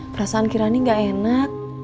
perasaan kirani gak enak